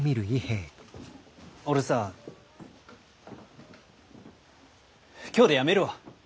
俺さ今日でやめるわ。